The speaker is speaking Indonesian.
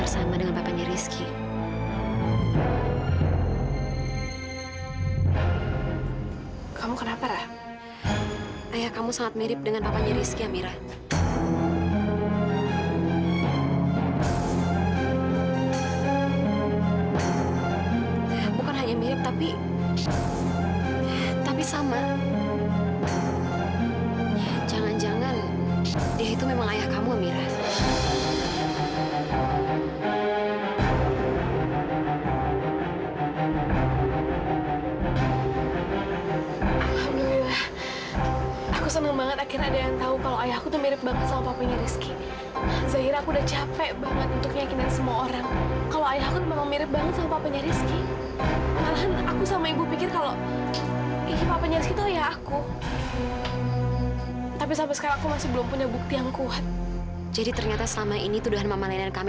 sampai jumpa di video selanjutnya